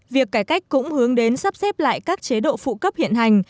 việc cải cách cũng hướng đến sắp xếp lại các chế độ phụ cấp hiện hành